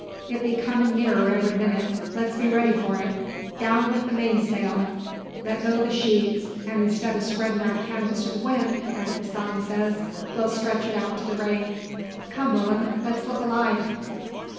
It be comin' nearer every minute. Let's be ready for it. Down wi' the mainsail. Let go the sheets, an' instead o' spreadin' our canvas to the wind, as the song says, we'll stretch it out to the rain. Come, Will'm, let's look alive!"